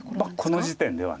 この時点では。